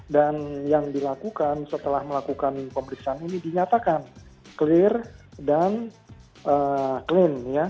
dan yang dilakukan setelah melakukan pemeriksaan ini dinyatakan clear dan clean